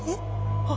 あっ！